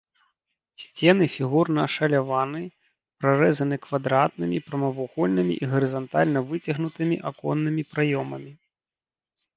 Сцены фігурна ашаляваны, прарэзаны квадратнымі, прамавугольнымі і гарызантальна выцягнутымі аконнымі праёмамі.